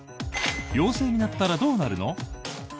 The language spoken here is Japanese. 陽性になったらどうなるの？